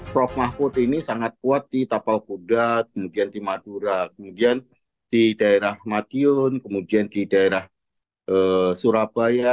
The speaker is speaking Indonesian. prof mahfud ini sangat kuat di tapal kuda kemudian di madura kemudian di daerah madiun kemudian di daerah surabaya